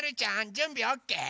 じゅんびオッケー？